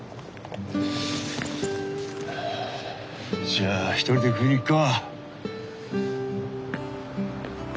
じゃあ一人で食いに行くか。